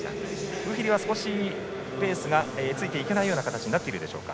ブヒリはペースについていけない形になっているでしょうか。